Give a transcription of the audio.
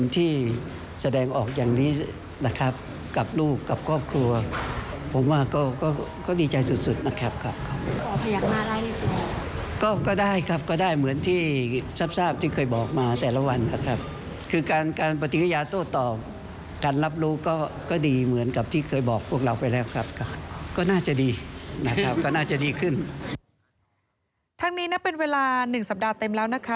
ทั้งนี้นับเป็นเวลา๑สัปดาห์เต็มแล้วนะคะ